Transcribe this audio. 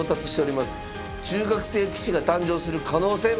中学生棋士が誕生する可能性も。